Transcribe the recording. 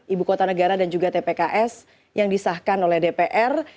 ibu kota negara dan juga tpks yang disahkan oleh dpr